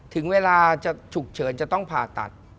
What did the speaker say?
ถึงเวลาจะฉุกเฉินจะต้องผ่าตัด